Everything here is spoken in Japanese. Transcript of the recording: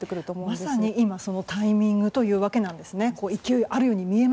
まさに今そのタイミングという訳なんですね。